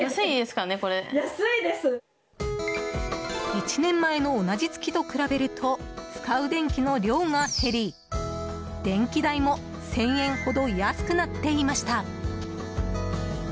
１年前の同じ月と比べると使う電気の量が減り電気代も１０００円ほど安くなっていました。